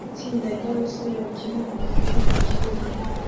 Itsinda ryabasore bakina umupira mukibuga